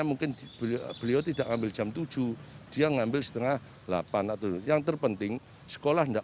mungkin beliau tidak ngambil jam tujuh dia ngambil setengah delapan atau yang terpenting sekolah enggak